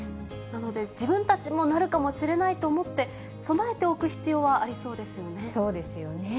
なので、自分たちもなるかもしれないと思って、備えておく必要はありそうそうですよね。